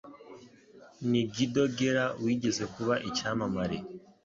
ni Guido Guerra wigeze kuba icyamamare